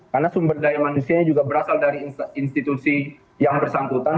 karena sumber daya manusianya juga berasal dari institusi yang bersangkutan